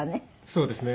そうですね。